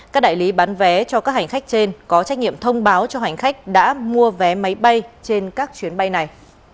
các đại lý bán vé cho các hành khách trên có trách nhiệm thông báo cho hành khách đã mua vé máy bay trên các chuyến bay này